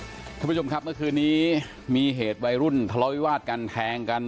คุณผู้ชมครับเมื่อคืนนี้มีเหตุวัยรุ่นทะเลาวิวาดกันแทงกัน